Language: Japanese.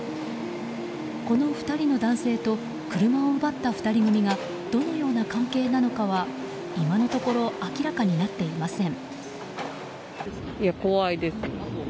この２人の男性と車を奪った２人組がどのような関係なのかは今のところ明らかになっていません。